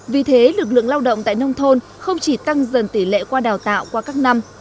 vì thế lực lượng lao động tại nông thôn không chỉ tăng dần tỷ lệ qua đào tạo qua các năm